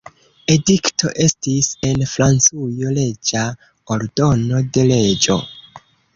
Edikto estis en Francujo leĝa ordono de reĝo.